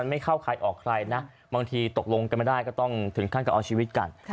มันไม่เข้าใครออกใครนะบางทีตกลงกันไม่ได้คืนขั้นการออกชีวิตการ